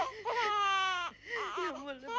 aku tidak pernah ingin melihatmu